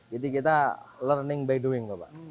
jadi kita learning by doing pak